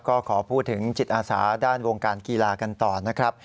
ก็ขอพูดถึงจิตอาสาด้านวงการกีฬากันต่อนะครับ